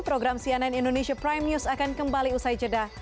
program cnn indonesia prime news akan kembali usai jeda